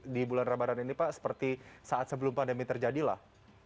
di bulan ramadan ini pak seperti saat sebelum pandemi terjadilah